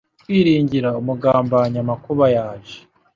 Kwiringira umugambanyi amakuba yaje